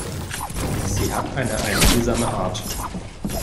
Sie hat eine einfühlsame Art.